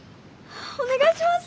お願いします。